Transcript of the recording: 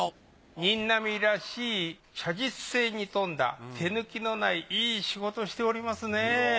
仁阿弥らしい写実性に富んだ手抜きのないいい仕事しておりますね。